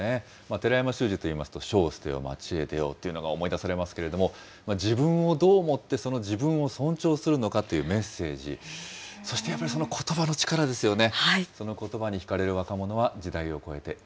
寺山修司といいますと、書を捨てよまちを出よという書物がありましたけれども、自分をどう持って自分をというメッセージ、そしてやっぱりそのことばの力ですよね。